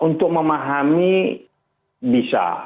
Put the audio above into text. untuk memahami bisa